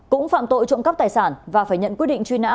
cũng phạm tội trộm cắp tài sản và phải nhận quyết định truy nã